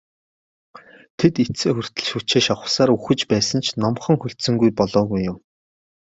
Тэд эцсээ хүртэл хүчээ шавхсаар үхэж байсан ч номхон хүлцэнгүй болоогүй юм.